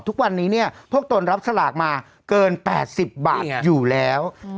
ทุกวันนี้เนี่ยพวกตนรับสลากมาเกิน๘๐บาทอยู่แล้ว